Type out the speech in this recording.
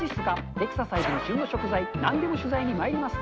エクササイズから旬の食材、なんでも取材にまいります。